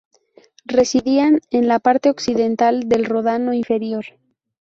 Residían en la parte occidental del Ródano inferior.